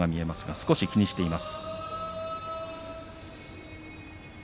少し気にしています。